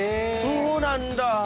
そうなんだ！